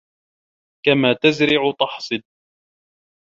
كما تزرع تحصد